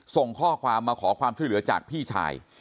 ส่งข้อความมาขอความช่วยเหลือจากพี่ชาย